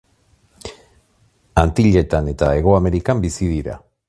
Antilletan eta Hego Amerikan bizi dira.